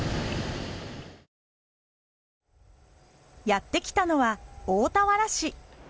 やってきたのは大田原市。